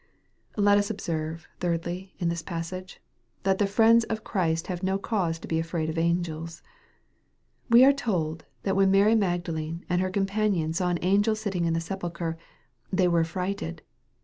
3556 EXPOSITORY THOUGHTS. Let us observe, thirdly, in this passage, that the friend* of Christ have no cause to be afraid of angels. We" are told, that when Mary Magdalene and her companion saw an angel sitting in the sepulchre, "they were affrighted."